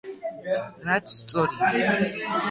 რაც სწორია.